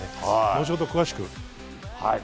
後ほど、詳しく。